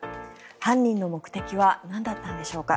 犯人の目的はなんだったんでしょうか。